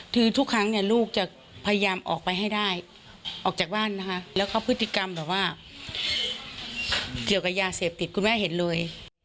คือทุกครั้งเนี่ยลูกจะพยายามออกไปให้ได้ออกจากบ้านนะคะแล้วเขาพฤติกรรมแบบว่าเกี่ยวกับยาเสพติดคุณแม่เห็นเลย